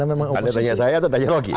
anda tanya saya atau tanya lagi